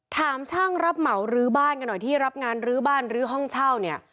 ถามช่างรับเหมารื้อบ้านกันหน่อยที่รับงานรื้อบ้านลื้อห้องเช่าเนี่ย